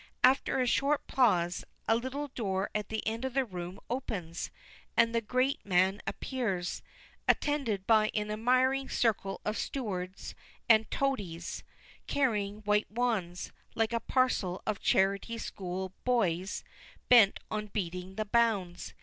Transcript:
After a short pause, a little door at the end of the room opens, and the great man appears, attended by an admiring circle of stewards and toadies, carrying white wands, like a parcel of charity school boys bent on beating the bounds.